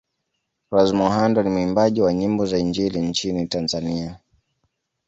Rose Muhando ni muimbaji wa nyimbo za injili nchini Tanzania